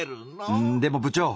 「うんでも部長！」。